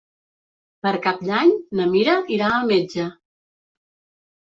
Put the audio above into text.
Per Cap d'Any na Mira irà al metge.